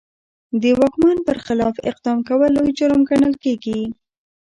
د واکمن پر خلاف اقدام کول لوی جرم ګڼل کېده.